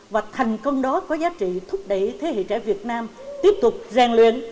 và thành công đó có giá trị thúc đẩy thế hệ trẻ việt nam tiếp tục rèn luyện